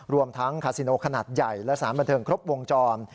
รวมทั้งคาซิโนขนาดใหญ่และสารบันเทิงครบวงจร